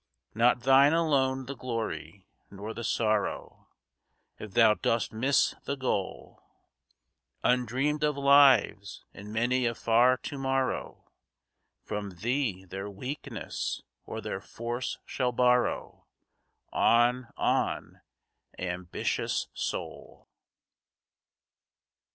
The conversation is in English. Not thine alone the glory, nor the sorrow, If thou dost miss the goal; Undreamed of lives in many a far to morrow From thee their weakness or their force shall borrow— On, on, ambitious soul.